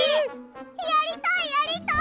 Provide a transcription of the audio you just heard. やりたいやりたい！